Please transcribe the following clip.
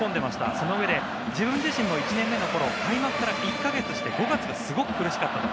そのうえで、自分自身も１年目の頃、開幕から１か月して５月ですごく苦しかったと。